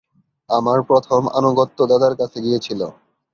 আমার প্রথম আনুগত্য দাদার কাছে গিয়েছিল।